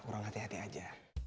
kurang hati hati aja